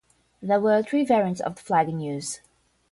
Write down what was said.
There were three variants of the flag in use.